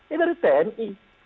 ya dari tni